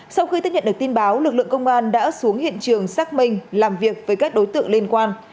sau khi tiếp nhận được tin báo lực lượng công an đã xuống hiện trường xác minh làm việc với các đối tượng liên quan